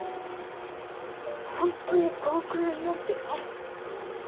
ホントに５億円なんてあるの？